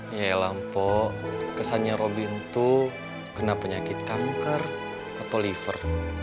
yaelah mpok kesannya robin tuh kena penyakit kanker atau liver